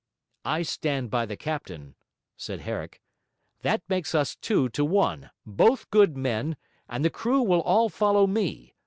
'I stand by the Captain,' said Herrick. 'That makes us two to one, both good men; and the crew will all follow me.